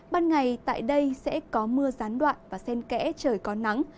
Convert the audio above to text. ban ngày tại đây sẽ có mưa gián đoạn và sen kẽ trời có nắng